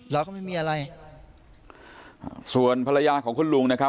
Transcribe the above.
เราก็ไม่มีอะไรอ่าส่วนภรรยาของคุณลุงนะครับ